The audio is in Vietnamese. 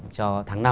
cho tháng năm